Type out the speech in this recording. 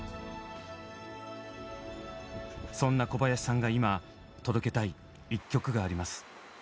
そんな小林さんが今届けたい一曲があります。